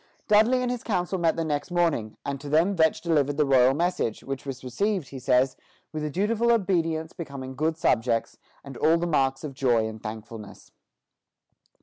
Dudley and his council met the next morning, and to them Vetch delivered the royal message, which was received, he says, "with the dutiful obedience becoming good subjects, and all the marks of joy and thankfulness."